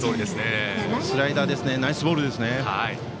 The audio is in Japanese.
スライダー、ナイスボールですね。